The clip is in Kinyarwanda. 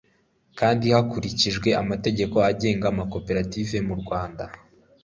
kandi hakurikijwe amategeko agenga amakoperative mu rwanda